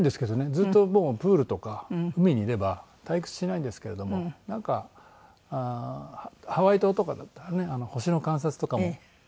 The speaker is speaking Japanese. ずっともうプールとか海にいれば退屈しないんですけれどもなんかハワイ島とかだったらね星の観察とかもできますしね。